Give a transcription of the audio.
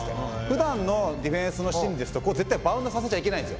ふだんのディフェンスのシーンですとここ絶対バウンドさせちゃいけないんですよ。